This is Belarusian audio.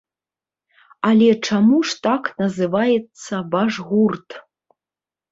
Але чаму ж так называецца ваш гурт?